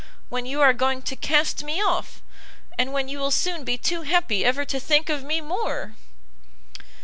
when you are going to cast me off! and when you will soon be too happy ever to think of me more!"